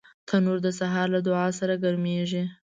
تنور د سهار له دعا سره ګرمېږي